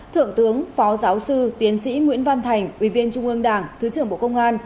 thượng tướng phó giáo sư tiến sĩ nguyễn văn thành ủy viên trung ương đảng thứ trưởng bộ công an